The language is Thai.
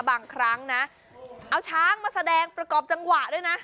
บางครั้งนะเอาช้างมาแสดงประกอบจังหวะด้วยนะ